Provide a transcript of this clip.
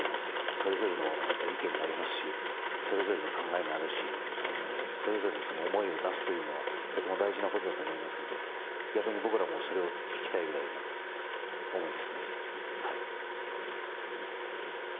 それぞれの意見がありますしそれぞれの考えがありますしそれぞれの思いを出すというのはとても大事なことだと思いますので、逆に僕らもそれを聞きたいぐらいの思いです。